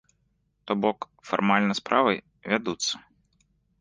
То бок фармальна справы вядуцца.